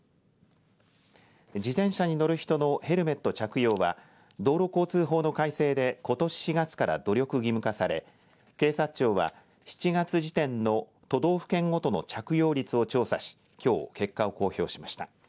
自転車に乗る人のヘルメット着用は道路交通法の改正でことし４月から努力義務化され警察庁は７月時点の都道府県ごとの着用率を調査しきょう、結果を公表しました。